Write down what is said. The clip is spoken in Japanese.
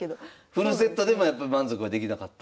フルセットでもやっぱ満足はできなかった？